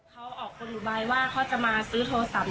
เขาออกคนอุบายว่าเขาจะมาซื้อโทรศัพท์